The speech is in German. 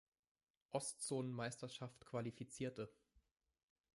Ostzonenmeisterschaft qualifizierte.